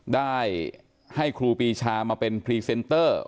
ได้ให้ครูปีชามาเป็นพรีเซนเตอร์